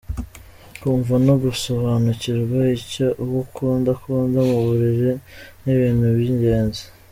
Kumva no gusobanukirwa icyo uwo ukunda akunda mu buriri ni ibintu by’ingenzi.